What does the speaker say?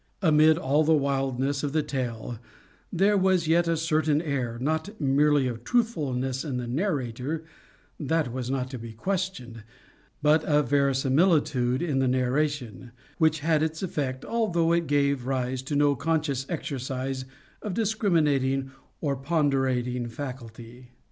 Amid all the wildness of the tale there was yet a certain air, not merely of truthfulness in the narrator that was not to be questioned but of verisimilitude in the narration, which had its effect, although it gave rise to no conscious exercise of discriminating or ponderating faculty.